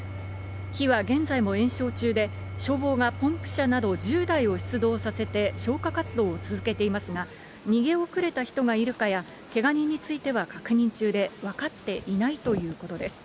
火は現在も延焼中で、消防がポンプ車など１０台を出動させて消火活動を続けていますが、逃げ遅れた人がいるかや、けが人については確認中で、分かっていないということです。